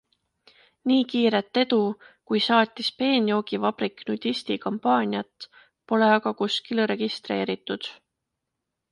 Nii kiiret edu, kui saatis Peenjoogivabrik Nudisti kampaaniat, pole aga kuskil registreeritud.